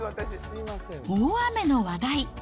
大雨の話題。